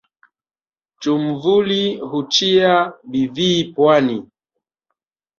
Nchumvuli huchia mbidhii pwani.